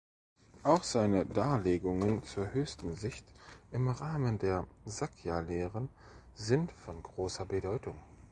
Auch seine Darlegungen zur „höchsten Sicht“ im Rahmen der Sakya-Lehren sind von großer Bedeutung.